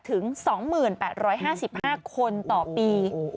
ถึง๒๘๕๕คนต่อปี